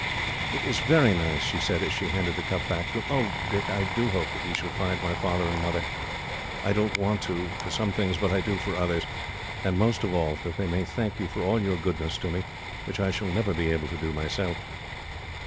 "It is very nice," she said, as she handed the cup back to him. "Oh, Dick, I do hope that we shall find my father and mother. I don't want to, for some things, but I do for others, and most of all that they may thank you for all your goodness to me, which I shall never be able to do, myself."